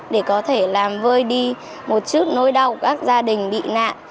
để có thể làm vơi đi một chút nỗi đau các gia đình bị nạn